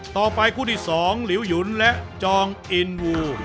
ต่อไปคู่ที่๒หลิวหยุนและจองอินวู